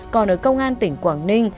còn ở công an tỉnh quảng ninh